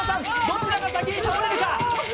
どちらが先に倒れるか。